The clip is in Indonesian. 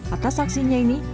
atas aksinya ini